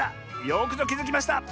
よくぞきづきました！